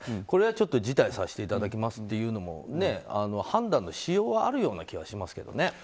これはちょっと辞退させていただきますっていうのも判断のしようはあるような気がしますけどね。